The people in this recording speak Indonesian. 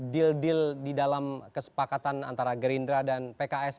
deal deal di dalam kesepakatan antara gerindra dan pks